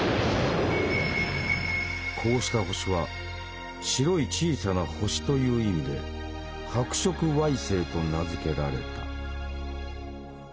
こうした星は「白い小さな星」という意味で「白色矮星」と名付けられた。